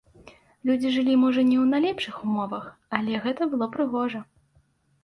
Людзі жылі, можа не ў найлепшых умовах, але гэта было прыгожа.